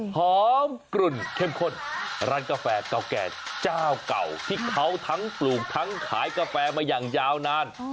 หอมกลุ่นเข้มข้นร้านกาแฟเก่าแก่เจ้าเก่าที่เขาทั้งปลูกทั้งขายกาแฟมาอย่างยาวนาน